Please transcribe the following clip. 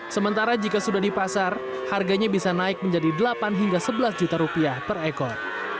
sementara jika sudah di pasar harganya bisa naik menjadi delapan hingga sebelas juta rupiah per ekor